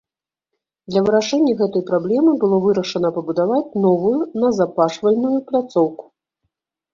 Для вырашэння гэтай праблемы было вырашана пабудаваць новую назапашвальную пляцоўку.